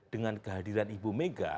dengan kehadiran ibu mega